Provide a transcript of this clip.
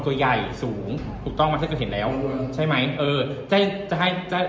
ตัวใหญ่สูงถูกต้องรับกรรมเห็นแล้วใช่ไหมเออจะให้จะจะจะ